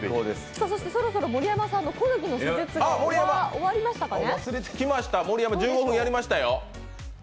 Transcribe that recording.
そしてそろそろ盛山さんのコルギの施術が終わりましたかね。